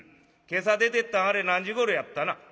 今朝出てったんあれ何時ごろやったな」。